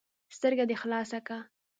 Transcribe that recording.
ـ سترګه دې خلاصه که.